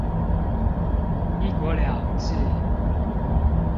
ㄧ 國兩制